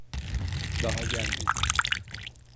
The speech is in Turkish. Daha gelmedi.